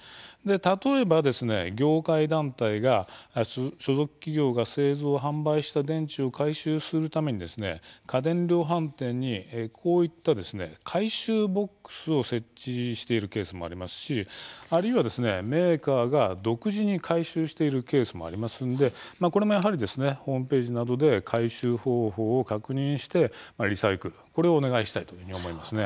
例えば業界団体や所属企業が製造、販売した電池を回収するために家電量販店にこういった回収ボックスを設置しているケースもありますしあるいはメーカーが独自に回収しているケースもありますので、これもやはりホームページなどで回収方法を確認してリサイクルこれをお願いしたいと思います。